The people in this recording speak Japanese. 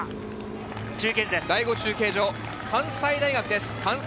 第５中継所、関西大学です。